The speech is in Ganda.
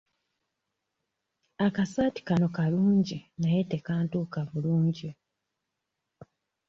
Akasaati kano kalungi naye tekantuuka bulungi.